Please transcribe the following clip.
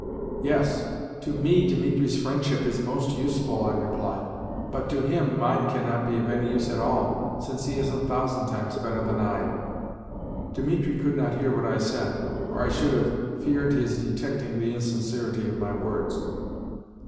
"Yes, to ME Dimitri's friendship is most useful," I replied, "but to HIM mine cannot be of any use at all, since he is a thousand times better than I." (Dimitri could not hear what I said, or I should have feared his detecting the insincerity of my words.)